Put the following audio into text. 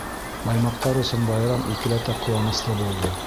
Баймаҡтар өсөн байрам икеләтә ҡыуаныслы булды.